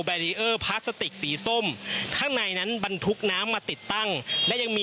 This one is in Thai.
รีเออร์พลาสติกสีส้มข้างในนั้นบรรทุกน้ำมาติดตั้งและยังมี